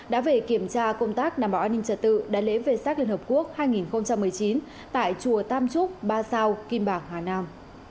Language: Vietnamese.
đã về kiểm tra công tác đảm bảo an ninh trật tự đại lễ vệ sát liên hợp quốc hai nghìn một mươi chín tại chùa tam trúc ba sao kim bảng hà nam